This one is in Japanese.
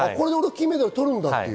金メダル取るんだって。